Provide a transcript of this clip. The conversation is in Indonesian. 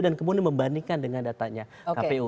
kemudian membandingkan dengan datanya kpu